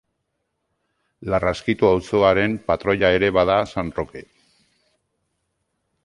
Larraskitu auzoaren patroia ere bada San Roke.